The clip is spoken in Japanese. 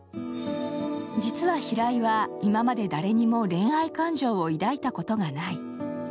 実は平井は今まで誰にも恋愛感情を抱いたことがない。